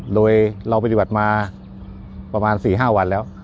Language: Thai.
โดยเราปฏิบัติมาประมาณ๔๕วันแล้ว